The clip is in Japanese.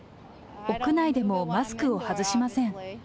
屋内でもマスクを外しません。